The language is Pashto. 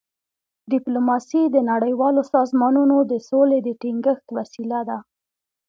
ډيپلوماسي د نړیوالو سازمانونو د سولي د ټینګښت وسیله ده.